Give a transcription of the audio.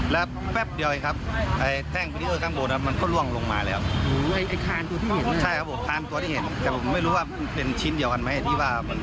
แล้วมันจะลงอันนี้แล้วมันก็จะลงอย่างนี้